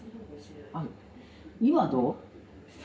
今はどう？